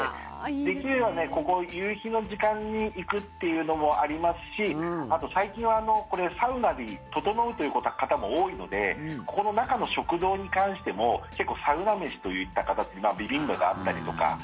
できればね、ここ、夕日の時間に行くっていうのもありますしあと最近はサウナリーととのうという方も多いのでここの中の食堂に関しても結構サウナ飯といった形でビビンバがあったりとか。